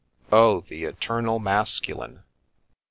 " Oh, the eternal masculine